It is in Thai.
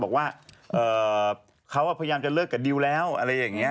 บอกว่าเขาพยายามจะเลิกกับดิวแล้วอะไรอย่างนี้